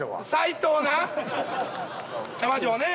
キャバ嬢ね。